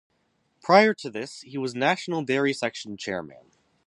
Prior to this he was National Dairy Section Chairman.